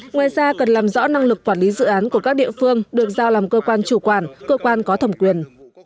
ngoài ra cần làm rõ năng lực quản lý dự án của các địa phương được giao làm cơ quan chủ quản cơ quan có thẩm quyền